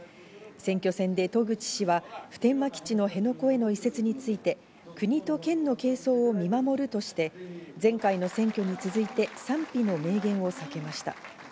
選挙戦で渡具知氏は普天間基地の辺野古への移設について国と県の係争を見守るとして前回の選挙に続いて賛否の明言を避けました。